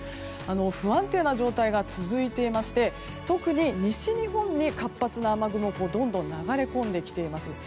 不安定な状態が続いていまして特に西日本に活発な雨雲がどんどん流れ込んできています。